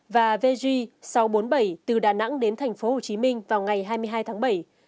và vg sáu trăm bốn mươi bảy từ đà nẵng đến tp hcm vào ngày hai mươi hai tháng bảy